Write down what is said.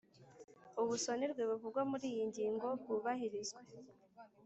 Ubusonerwe buvugwa muri iyo ngingo bwubahirizwe